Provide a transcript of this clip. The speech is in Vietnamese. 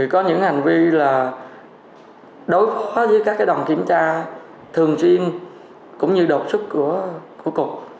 có những hành vi là đối phó với các cái đồng kiểm tra thường xuyên cũng như độc sức của cục